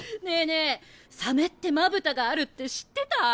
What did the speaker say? えサメってまぶたがあるって知ってた？